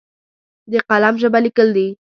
د قلم ژبه لیکل دي!